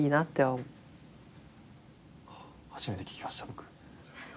ああ初めて聞きました僕。